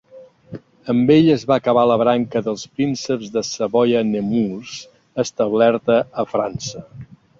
Amb ell es va acabar la branca dels prínceps de Savoia-Nemours, establerta a França.